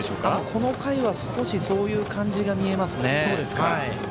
この回は少しそういう感じが見えますね。